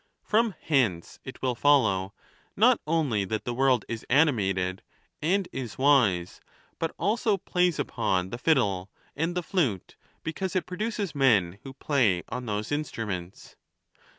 ) From hence it will follow, not only that the world is animated, and is wise, but also plays upon the fid dle and the flute, because it produces men who play on those instruments.